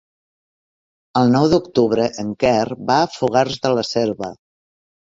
El nou d'octubre en Quer va a Fogars de la Selva.